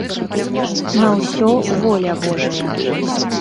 На ўсё воля божая.